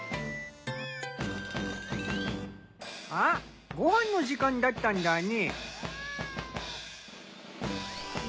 あっごはんの時間だったんだね。